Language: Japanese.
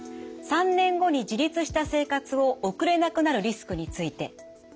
３年後に自立した生活を送れなくなるリスクについて。